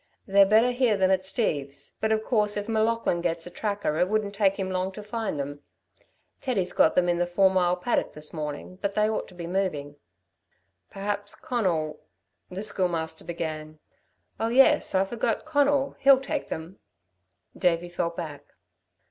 "They're better here than at Steve's, but of course if M'Laughlin gets a tracker it wouldn't take him long to find them. Teddy's got them in the four mile paddock this morning, but they ought to be moving." "Perhaps Conal" the Schoolmaster began. "Oh, yes, I forgot, Conal he'll take them." Davey fell back.